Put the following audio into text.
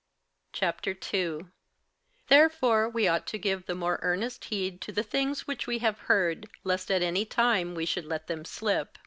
58:002:001 Therefore we ought to give the more earnest heed to the things which we have heard, lest at any time we should let them slip.